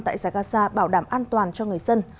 tại giải gaza bảo đảm an toàn cho người dân